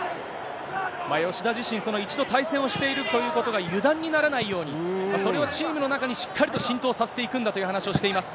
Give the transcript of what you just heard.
吉田自身、その一度、対戦をしているということが油断にならないように、それをチームの中にしっかりと浸透させていくんだという話をしています。